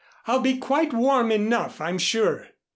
I'll be quite warm enough, I'm sure."